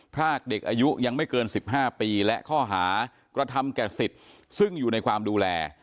พรากเด็กอายุยังไม่เกิน๑๕ปีและข้อหากระทำแก่สิทธิ์ซึ่งอยู่ในความดูแล